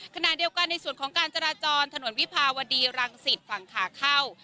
ขณะเดียวกันในส่วนของการจราจรถนนวิภาวดีรังสิตฝั่งขาเข้า